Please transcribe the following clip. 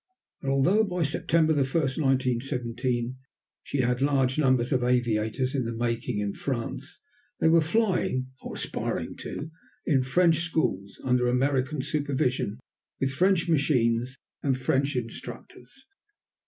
And although by September 1, 1917, she had large numbers of aviators in the making in France, they were flying or aspiring to in French schools, under American supervision, with French machines and French instructors.